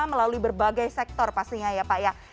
melalui berbagai sektor pastinya ya pak ya